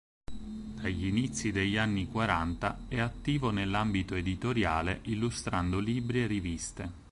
Dagli inizi degli anni quaranta, è attivo nell'ambito editoriale, illustrando libri e riviste.